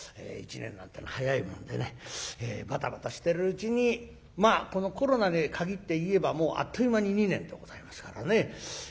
一年なんてのは早いもんでねバタバタしてるうちにまあこのコロナに限って言えばもうあっという間に２年でございますからね。